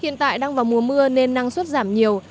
hiện tại đang vào mùa mưa nên năng suất giảm nhiều